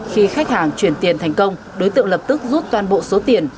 khi khách hàng chuyển tiền thành công đối tượng lập tức rút toàn bộ số tiền